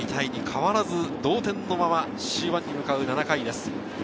変わらず同点のまま終盤に向かう７回です。